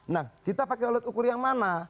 nah kita pakai alat ukur yang mana